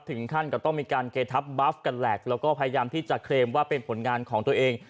ถึงขั้นกับต้องมีการเกทับบาฟกันแหละแล้วก็พยายามที่จะเคลมว่าเป็นผลงานของตัวเอง